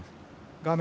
画面